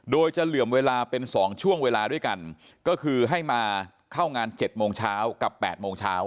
โดยจะเหลื่อมเวลาเป็น๒ช่วงเวลาด้วยกันก็คือให้มาเข้างาน๗โมงเช้ากับ๘โมงเช้า